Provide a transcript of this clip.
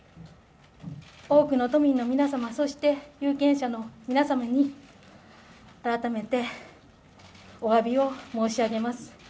多くの都民の皆様、そして有権者の皆様に改めておわびを申し上げます。